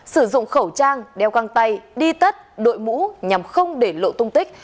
sử dụng khẩu trang đeo căng tay đi tất đội mũ nhằm không để lộ tung tích